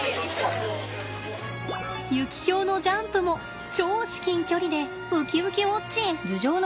ユキヒョウのジャンプも超至近距離でうきうきウォッチン！